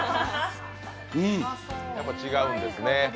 やっぱ違うんですね。